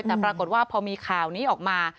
แต่ปรากฏว่าพอมีข่าวนี้ออกมา